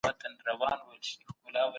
د سرکس ډولونه بیان شوي دي.